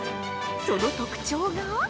その特徴が。